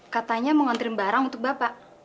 katanya mau ngantriin barang untuk bapak